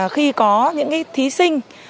khi có những thí sinh